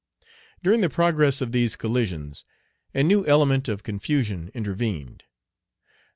During the progress of these collisions, a new element of confusion intervened.